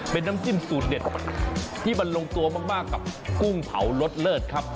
เป็นน้ำจิ้มสูตรเด็ดที่มันลงตัวมากกับกุ้งเผารสเลิศครับ